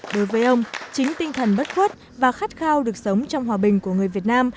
đối với ông chính tinh thần bất khuất và khát khao được sống trong hòa bình của người việt nam